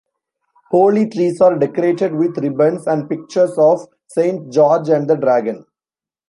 Holy trees are decorated with ribbons and pictures of Saint George and the dragon.